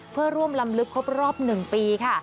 เพื่อร่วมลำลึกครบรอบ๑ปีค่ะ